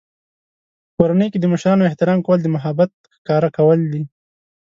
په کورنۍ کې د مشرانو احترام کول د محبت ښکاره کول دي.